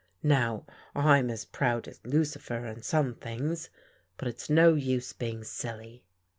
Now I'm as proud as Lucifer in some things, but it's no use being silly."